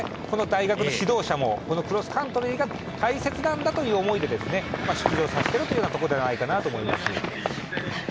この大学の指導者もこのクロスカントリーが大切なんだという思いで出場させてるというところなんじゃないかと思います。